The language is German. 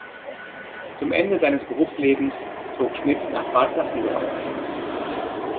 Zum Ende seines Berufslebens zog Schmidt nach Bad Sassendorf.